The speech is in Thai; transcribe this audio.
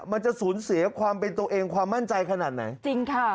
มันจะสูญเสียความเป็นตัวเองความมั่นใจขนาดไหนจริงค่ะ